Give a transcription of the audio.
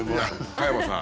加山さん